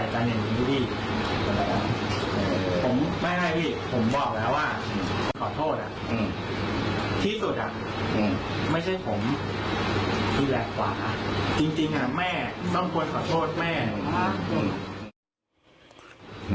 เหมือนผมผมไม่ชนคนอื่นผมก็ขอโทษเขาก่อน